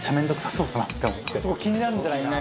そこ気になるんじゃないかな。